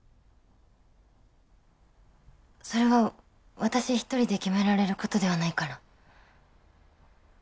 それは私一人で決められることではないから。